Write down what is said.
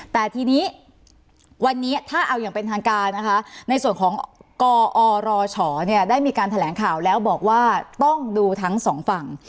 แต่ทีนี้วันนี้ถ้าเอาอย่างเป็นทางการนะคะในส่วนของกอรชได้มีการแถลงข่าวแล้วบอกว่าต้องดูทั้งสองฝั่ง